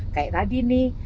kayak tadi nih